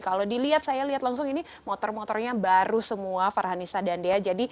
kalau dilihat saya lihat langsung ini motor motornya baru semua farhanisa dan dea